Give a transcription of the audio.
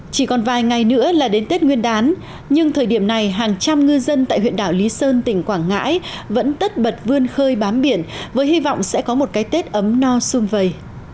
chỉ còn vài ngày nữa là đến tết nguyên đán nhưng thời điểm này hàng trăm ngư dân tại huyện đảo lý sơn tỉnh quảng ngãi vẫn tất bật vươn khơi bám biển với hy vọng sẽ có một cái tết ấm no sung vầy